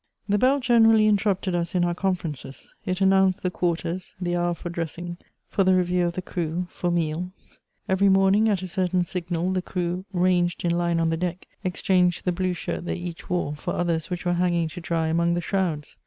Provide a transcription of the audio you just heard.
The bell generally interrupted us in our conferences ; it an nounced the quarters, the hour for dressing, for the review of the crew, for meals. Every morning, at a certain signal, the crew, ranged in line on the deck, exchanged the blue shirt they each wore for others which were hanging to dry among the shrouds.